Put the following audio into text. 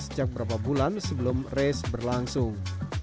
sejak berapa bulan sebelum race berlangsung